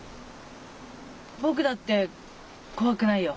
僕だって怖くないよ。